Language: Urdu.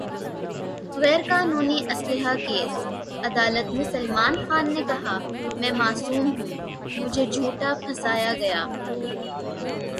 غیر قانونی اسلحہ کیس : عدالت میں سلمان خان نے کہا : میں معصوم ہوں ، مجھے جھوٹا پھنسایا گیا